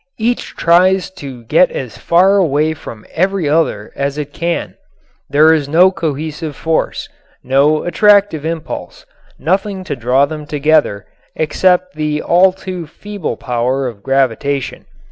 Each tries to get as far away from every other as it can. There is no cohesive force; no attractive impulse; nothing to draw them together except the all too feeble power of gravitation.